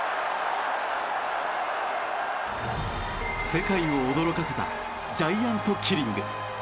世界を驚かせたジャイアントキリング。